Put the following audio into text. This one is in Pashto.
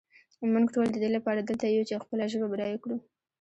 مونږ ټول ددې لپاره دلته یو چې خپله ژبه بډایه کړو.